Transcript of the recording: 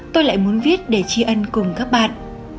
tôi lại muốn viết để chia ăn cùng các bạn